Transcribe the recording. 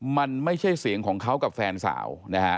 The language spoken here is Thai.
มันไม่ใช่เสียงของเขากับแฟนสาวนะฮะ